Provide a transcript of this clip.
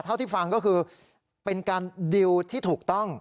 เท่าที่ฟังก็คือเป็นการดิวที่ถูกต้อง